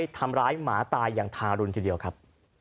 ทำร้ายหมาตายอย่างทารุณทีเดียวครับ